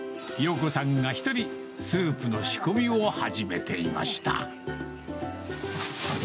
洋子さんが１人、スープの仕込みを始めていました。